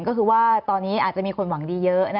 ก็คือว่าตอนนี้อาจจะมีคนหวังดีเยอะ